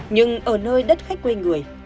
nhưng ở nơi đất khách quê người